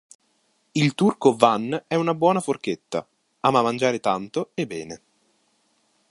Il Turco Van è una buona forchetta: ama mangiare tanto e bene.